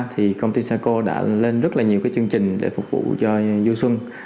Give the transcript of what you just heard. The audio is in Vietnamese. thì công ty saco đã lên rất là nhiều cái chương trình để phục vụ cho du xuân